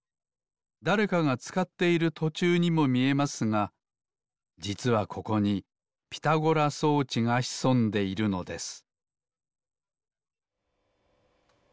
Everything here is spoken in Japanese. だれかがつかっているとちゅうにもみえますがじつはここにピタゴラ装置がひそんでいるのです